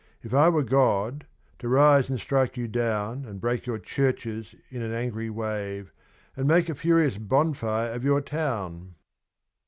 If I were God, to rise and strike you down And break your churches in an angry wave And make a furious bonfire of your town